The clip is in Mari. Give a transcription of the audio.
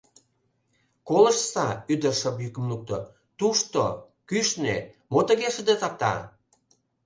— Колыштса, — ӱдыр шып йӱкым лукто, — тушто, кӱшнӧ, мо тыге шыдыртата?